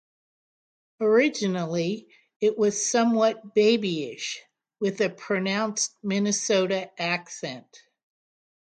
Originally, it was somewhat babyish, with a pronounced Minnesota accent.